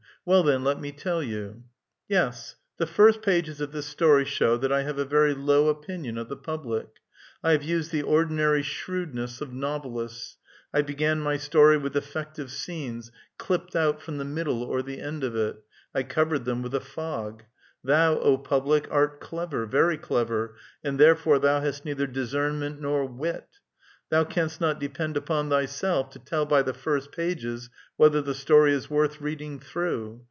Well, then, let me tell you !" Yes, the fii*st pages of this story show that I have a very low opinion of the public. I have used the ordinary shrewdness of novelists: I began my story with effective scenes, dipt out from the middle or the end of it ; I covered them with a fog. Thou, O public, art clever, very clever, and therefore thou hast neither discernment nor wit. Thou canst not depend upon thyself to tell by the first pages whether the story is worth reading through.